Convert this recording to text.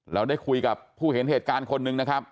เราได้คุยกับผู้เห็นเหตุการณ์คนหนึ่งนะครับ